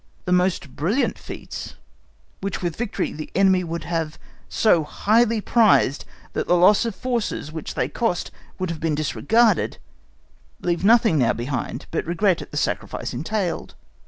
The most brilliant feats which with victory the enemy would have so highly prized that the loss of forces which they cost would have been disregarded, leave nothing now behind but regret at the sacrifice entailed.